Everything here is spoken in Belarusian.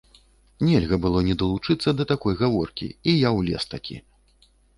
Нельга было не далучыцца да такой гаворкі, і я ўлез-такі.